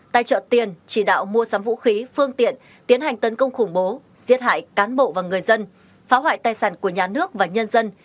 tài trợ tiền chỉ đạo mua sắm vũ khí phương tiện tiến hành tấn công khủng bố giết hại cán bộ và người dân phá hoại tài sản của nhà nước và nhân dân